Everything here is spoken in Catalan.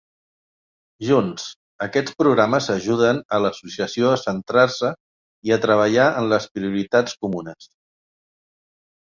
Junts, aquests programes ajuden a l'associació a centrar-se i a treballar en les prioritats comunes.